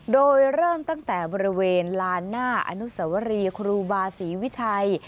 โดยเริ่มตั้งแต่บริเวณลานหน้าอนุสวรีครูบาศรีวิชัย